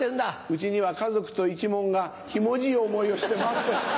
うちには家族と一門がひもじい思いをして待ってるんです。